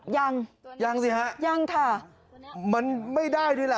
ยังยังสิฮะยังค่ะมันไม่ได้ด้วยล่ะ